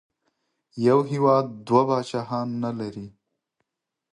یو هېواد دوه پاچاهان نه لري.